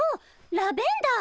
ラベンダー！